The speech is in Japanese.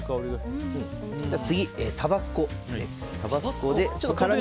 次、タバスコです。